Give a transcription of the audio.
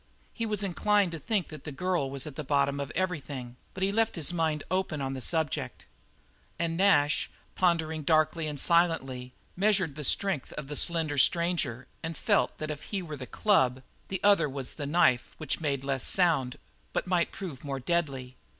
He was inclined to think that the girl was the bottom of everything, but he left his mind open on the subject. And Nash, pondering darkly and silently, measured the strength of the slender stranger and felt that if he were the club the other was the knife which made less sound but might prove more deadly.